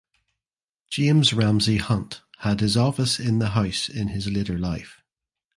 James Ramsay Hunt had his office in the house in his later life.